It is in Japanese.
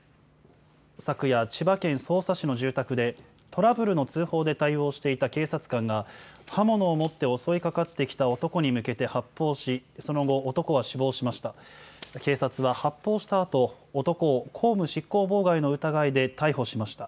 昨夜、千葉県匝瑳市の住宅で、トラブルの通報で対応していた警察官が、刃物を持って襲いかかってきた男に向けて発砲し、その後、男は死亡しました。